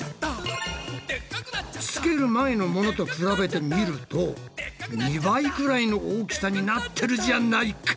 つける前のものと比べてみると２倍ぐらいの大きさになってるじゃないか。